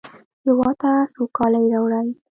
هېواد ته سوکالي راوړئ